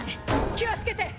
気をつけて！